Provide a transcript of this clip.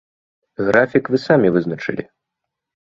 Графік вы самі вызначылі.